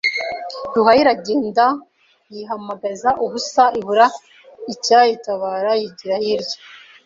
Ruhaya iragenda, yihamagaza ubusa ibura icyayitabaYigira hirya,